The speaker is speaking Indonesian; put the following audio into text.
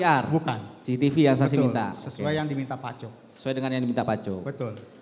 ya bukan cctv yang saksi minta sesuai yang diminta pak cuk sesuai dengan yang diminta pak co betul